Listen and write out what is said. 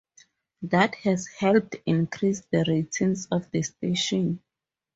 That has helped increase the ratings of the station.